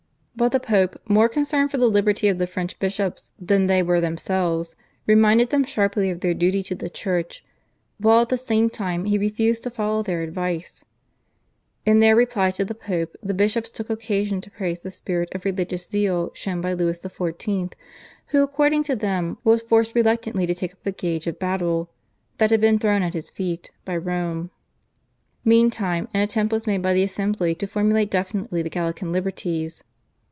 But the Pope, more concerned for the liberty of the French bishops than they were themselves, reminded them sharply of their duty to the Church, while at the same time he refused to follow their advice. In their reply to the Pope the bishops took occasion to praise the spirit of religious zeal shown by Louis XIV., who, according to them, was forced reluctantly to take up the gauge of battle that had been thrown at his feet by Rome. Meantime an attempt was made by the Assembly to formulate definitely the Gallican liberties.